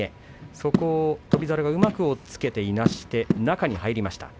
そこを翔猿がうまく押っつけていなして中に入りました。